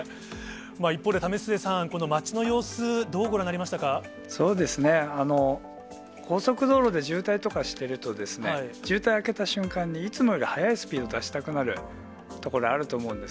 一方で、為末さん、この街の様子、そうですね、高速道路で渋滞とかしてると、渋滞明けた瞬間に、いつもより速いスピード出したくなるところあると思うんです。